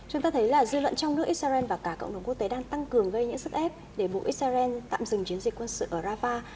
chúng ta thấy là dư luận trong nước israel và cả cộng đồng quốc tế đang tăng cường gây những sức ép để bộ israel tạm dừng chiến dịch quân sự ở rafah